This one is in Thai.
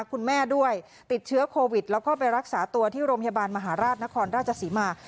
คุณแม่ด้วยติดเชื้อโควิดแล้วก็ไปรักษาตัวที่โรงพยาบาลมหาราชนครราชศรีมา